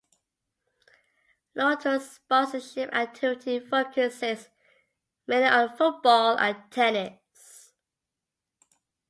Lotto's sponsorship activity focuses mainly on football and tennis.